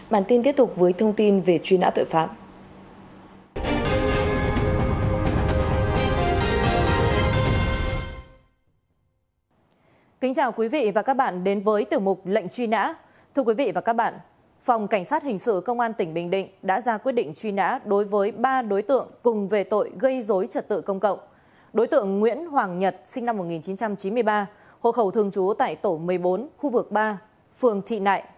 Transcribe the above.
bản tin kết thúc với thông tin về truy nã tội phạm